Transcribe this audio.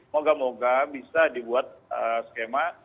moga moga bisa dibuat skema